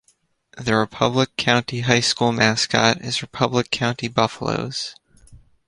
The Republic County High School mascot is Republic County Buffaloes.